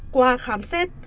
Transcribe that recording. qua khám xét